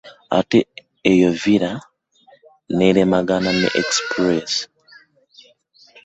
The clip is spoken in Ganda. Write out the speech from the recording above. Ate yo villa neremagana ne express.